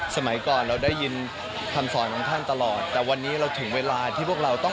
สมัยก่อนเราได้ยินคำสอนของท่านตลอดแต่วันนี้เราถึงเวลาที่พวกเราต้อง